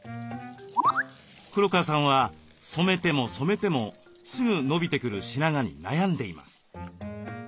黒川さんは染めても染めてもすぐ伸びてくる白髪に悩んでいます。